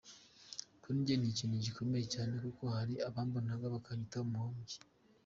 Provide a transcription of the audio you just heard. Kuri njye ni ikintu gikomeye cyane kuko hari abambonaga bakanyita umuhobyi.